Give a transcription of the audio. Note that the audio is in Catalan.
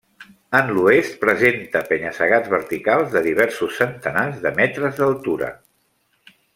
En l'oest presenta penya-segats verticals de diversos centenars de metres d'altura.